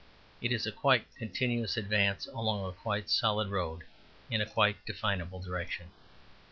It is a quite continuous advance along a quite solid road in a quite definable direction.